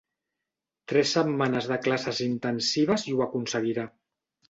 Tres setmanes de classes intensives i ho aconseguirà.